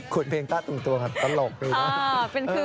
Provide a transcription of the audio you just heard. คุณเพลงตะตุ่งตวงครับตลกดีนะ